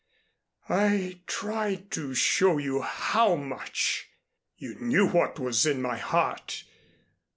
"I tried to show you how much. You knew what was in my heart.